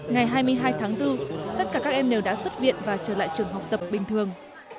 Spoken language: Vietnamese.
ngày hai mươi hai tháng bốn tất cả các em đều đã xuất viện và trở lại trường học tập bình thường